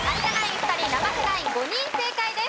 ２人生瀬ナイン５人正解です。